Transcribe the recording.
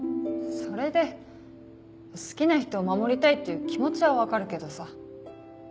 それで好きな人を守りたいっていう気持ちは分かるけどさ。